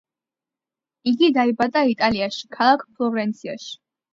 იგი დაიბადა იტალიაში, ქალქ ფლორენციაში.